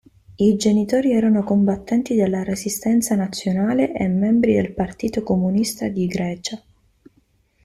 I genitori erano combattenti della resistenza nazionale e membri del Partito Comunista di Grecia.